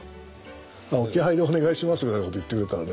「置き配でお願いします」ぐらいのこと言ってくれたらね